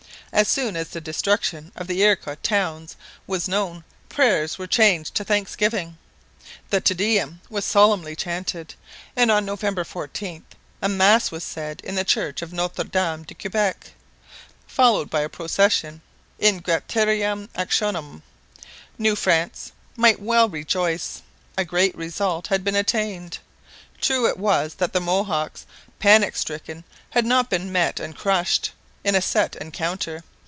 As soon as the destruction of the Iroquois towns was known, prayers were changed to thanksgiving. The Te Deum was solemnly chanted, and on November 14 a mass was said in the church of Notre Dame de Quebec, followed by a procession in gratiarum actionem. New France might well rejoice. A great result had been attained. True it was that the Mohawks, panic stricken, had not been met and crushed. in a set encounter.